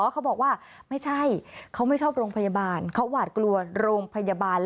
เขาบอกว่าไม่ใช่เขาไม่ชอบโรงพยาบาลเขาหวาดกลัวโรงพยาบาล